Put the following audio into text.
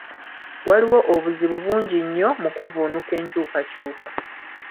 Waliwo obuzibu bungi nnyo mu kuvvuunuka enkyukakyuka.